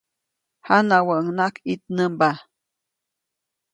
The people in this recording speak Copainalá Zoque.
Janawäʼuŋnaʼajk ʼitnämba.